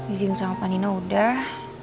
izin sama panino udah